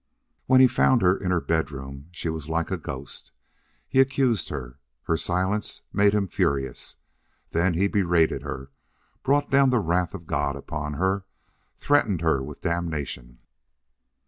When he found her in her bedroom she was like a ghost. He accused her. Her silence made him furious. Then he berated her, brought down the wrath of God upon her, threatened her with damnation.